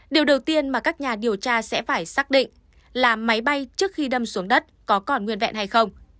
điều đầu tiên mà các nhà điều tra sẽ phải xác định là máy bay trước khi đâm xuống đất có còn nguyên vẹn hay không